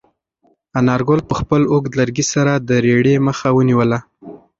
انارګل په خپل اوږد لرګي سره د رېړې مخه ونیوله.